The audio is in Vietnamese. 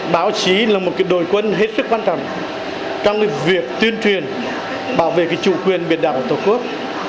báo chí là một đội quân hết sức quan trọng trong việc tuyên truyền bảo vệ chủ quyền biển đảo của tổ quốc